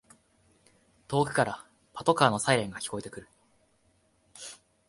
遠くからパトカーのサイレンが聞こえてくる